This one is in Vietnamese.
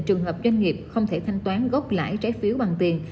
trường hợp doanh nghiệp không thể thanh toán gốc lãi trái phiếu bằng tiền